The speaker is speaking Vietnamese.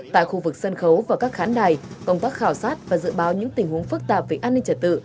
tại khu vực sân khấu và các khán đài công tác khảo sát và dự báo những tình huống phức tạp về an ninh trật tự